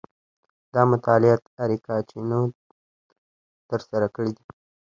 دا مطالعات اریکا چینوت ترسره کړي دي.